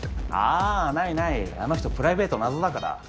あないないあの人プライベート謎だから。